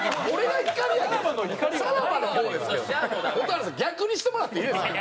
蛍原さん逆にしてもらっていいですか？